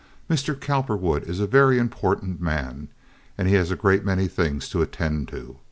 Mr. Cowperwood is a very important man, and he has a great many things to attend to.